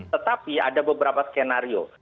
tetapi ada beberapa skenario